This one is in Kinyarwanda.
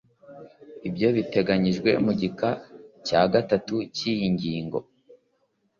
ibyo biteganyijwe mu gika cya gatatu cy'iyi ngingo